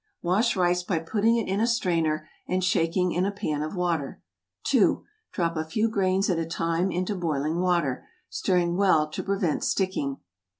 Wash rice by putting it in a strainer and shaking in a pan of water. 2. Drop a few grains at a time into boiling water, stirring well to prevent sticking.